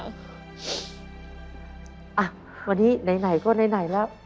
อ่ะวันนี้ไหนก็ไหนแล้ว